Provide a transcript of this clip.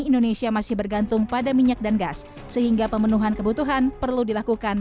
indonesia masih bergantung pada minyak dan gas sehingga pemenuhan kebutuhan perlu dilakukan